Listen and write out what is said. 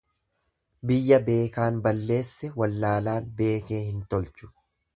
Biyya beekaan balleesse wallaalaan beekee hin tolchu.